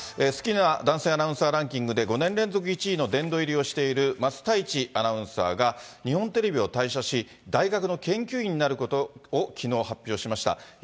好きな男性アナウンサーランキングで、５ねんれんぞく１位の殿堂入りをしている桝太一アナウンサーが、日本テレビを退社し、大学の研究員になることをきのう発表しました。